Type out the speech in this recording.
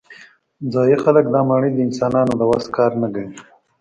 ځايي خلک دا ماڼۍ د انسانانو د وس کار نه ګڼي.